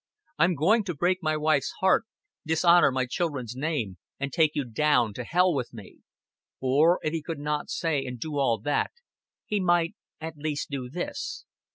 I'm going to break my wife's heart, dishonor my children's name, and take you down to hell with me." Or if he could not say and do all that, he might at least do this.